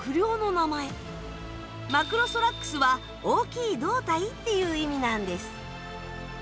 マクロソラックスは大きい胴体っていう意味なんです。